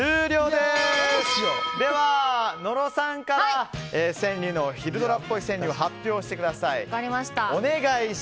では、野呂さんから昼ドラっぽい川柳を発表してください。